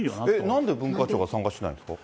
なんで文化庁が関与してないんですか。